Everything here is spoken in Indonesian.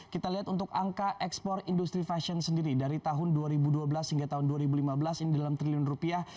kita lihat untuk angka ekspor industri fashion sendiri dari tahun dua ribu dua belas hingga tahun dua ribu lima belas ini dalam triliun rupiah